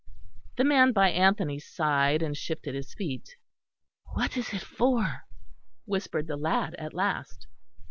The man by Anthony sighed and shifted his feet. "What is it for?" whispered the lad at last.